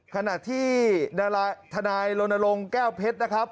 ขณะที่ธนายโรนลงแก้วเพชรนะครับ